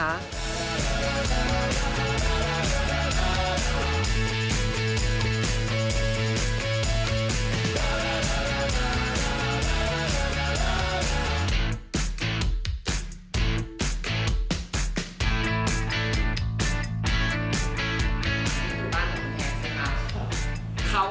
บ้านของแฮคสิครับ